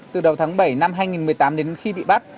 từ đầu tháng bảy năm hai nghìn một mươi tám đến khi bị bắt